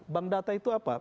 bank data itu apa